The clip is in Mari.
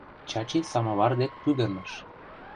Чачи самовар дек пӱгырныш.